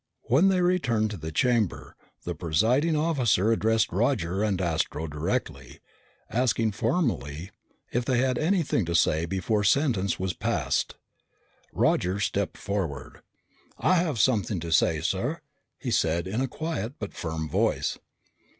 When they returned to the chamber, the presiding officer addressed Roger and Astro directly, asking formally whether they had anything to say before sentence was passed. Roger stepped forward. "I have something to say, sir," he said in a quiet but firm voice.